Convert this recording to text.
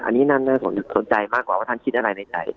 อันนี้น่าสนใจมากกว่าว่าท่านคิดอะไรในใจ